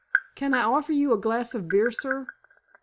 "Can I offer you a glass of beer, sir?"